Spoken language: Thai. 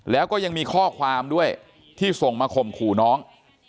แล้วก็ยังมีข้อความด้วยที่ส่งมาข่มขู่น้อง